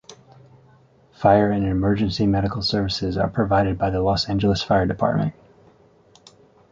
Fire and emergency medical services are provided by the Los Angeles Fire Department.